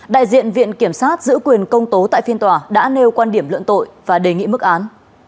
đại diện viện kiểm sát giữ quyền công tố tại phiên tòa đã nêu quan điểm luận tội và đề nghị mức án